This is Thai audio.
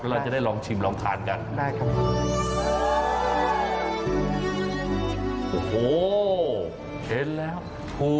เราจะได้ลองชิมลองทานกัน